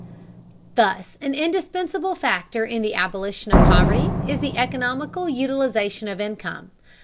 Thus an indispensable factor in the abolition of poverty is the economical utilization of income.